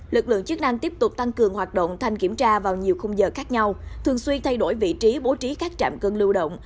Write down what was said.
lực lượng chức năng tiếp tục tăng cường hoạt động thanh kiểm tra vào nhiều khung giờ khác nhau thường xuyên thay đổi vị trí bố trí các trạm cân lưu động